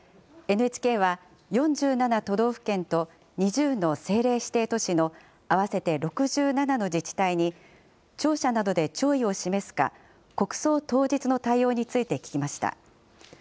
ＮＨＫは、４７都道府県と２０の政令指定都市の合わせて６７の自治体に、庁舎などで弔意を示すか、国葬当日の対応について聞きました。